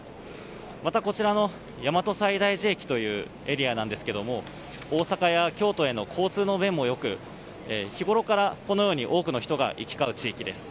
またこちらの大和西大寺駅というエリアなんですが大阪や京都への交通の便もよく日ごろから多くの人が行き交う地域です。